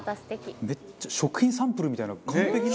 中丸：食品サンプルみたいな完璧な。